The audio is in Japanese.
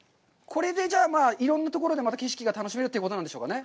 これでじゃあ、いろんなところでまた景色が楽しめるということなんでしょうかね。